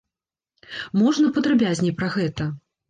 Можна падрабязней пра гэта?